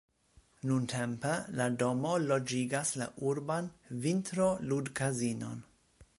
Nuntempe la domo loĝigas la urban vintro-ludkazinon.